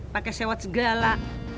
pake sewat segala